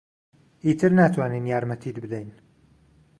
ئیتر ناتوانین یارمەتیت بدەین.